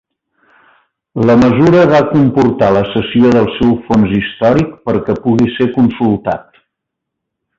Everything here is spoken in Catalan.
La mesura va comportar la cessió del seu fons històric perquè pugui ser consultat.